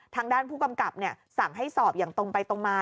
ทางด้านผู้กำกับสั่งให้สอบอย่างตรงไปตรงมา